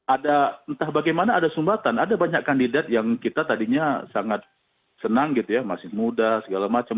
ada entah bagaimana ada sumbatan ada banyak kandidat yang kita tadinya sangat senang gitu ya masih muda segala macam